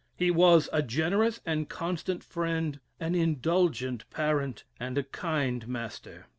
He was a generous and constant friend, an indulgent parent, and a kind master.